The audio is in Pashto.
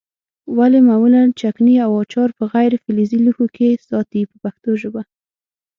ولې معمولا چکني او اچار په غیر فلزي لوښو کې ساتي په پښتو ژبه.